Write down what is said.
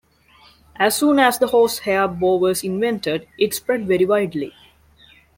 As soon as the horsehair bow was invented, it spread very widely.